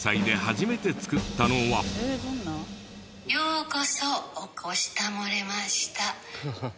「ようこそお越したもれました」